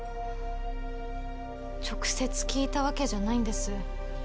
直接聞いたわけじゃないんです。